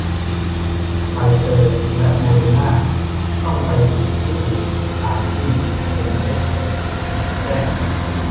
ไฟเซอร์และโมเดอร์นาต้องไปฉีดที่อื่น ตามที่เอ็นเอชเอสจะแจ้ง